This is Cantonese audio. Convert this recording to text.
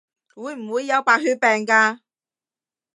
會唔會有白血病㗎？